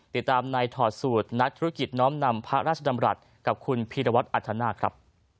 ติดตามในถอดสูตรนักธุรกิจน้อมนำพระราชดำรัฐกับคุณพีรวัตรอัธนาคครับ